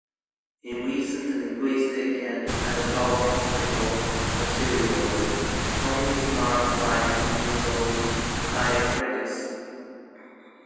In recent linguistic and pedagogical materials, tone is marked by means of diacritics.